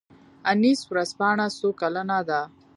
انیس ورځپاڼه څو کلنه ده؟